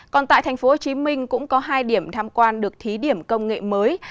còn tại tp hcm cũng có hai điểm tham quan được thí điểm công nghệ mới